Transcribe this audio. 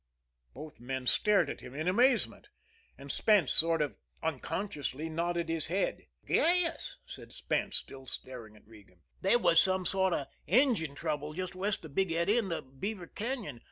Both men stared at him in amazement and Spence, sort of unconsciously, nodded his head. "Yes," said Spence, still staring at Regan. "There was some sort of engine trouble just west of Big Eddy in the Beaver Cañon.